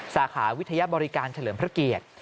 สาขาวิทยาบริการเฉลิมพระเกียรติ